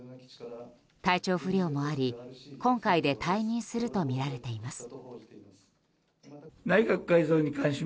体調不良もあり、今回で退任するとみられています。